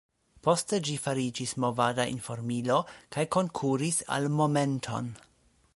Poste ĝi fariĝis movada informilo kaj konkuris al Momenton.